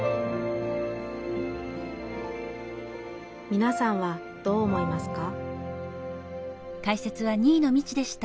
みなさんはどう思いますか？